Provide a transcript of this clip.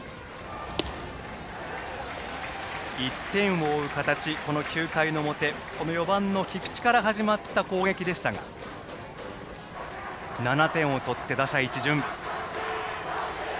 １点を追う形で、この９回の表はこの４番の菊池から始まった攻撃でしたが７点を取って、打者一巡。